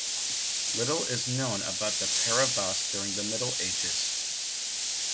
Little is known about the Paravas during the middle ages.